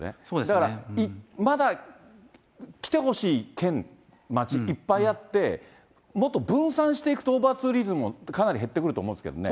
だからまだ来てほしい県、町、いっぱいあって、もっと分散していくと、オーバーツーリズムもかなり減ってくると思うんですけどね。